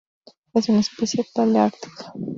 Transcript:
Es una especie paleártica.